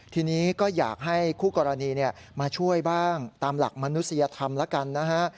ทีนี้ก็อยากให้คู่กรณีมาช่วยบ้างตามหลักมนุษยธรรมแล้วกันนะฮะ